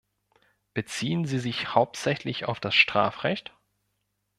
Beziehen Sie sich hauptsächlich auf das Strafrecht?